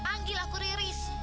panggil aku riris